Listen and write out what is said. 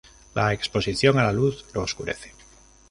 La exposición a la luz lo oscurece.